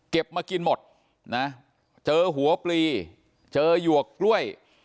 มากินหมดนะเจอหัวปลีเจอหยวกกล้วย